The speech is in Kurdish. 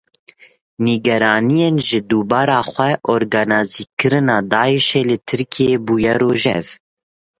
Nîgeraniyên ji dubare xwe organîzekirina Daişê li Tirkiyeyê bûye rojev.